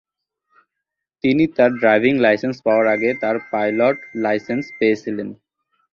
তিনি তার driving licence পাওয়ার আগে তার পাইলট লাইসেন্স পেয়েছিলেন।